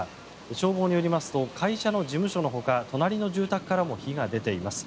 消防によりますと会社の事務所のほか隣の住宅からも火が出ています。